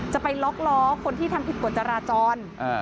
จะไปล็อกล้อคนที่ทำผิดกฎจราจร